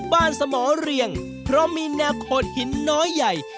บ้านสมเรียงเพราะมีแนวโคตรหินน้อยใหญ่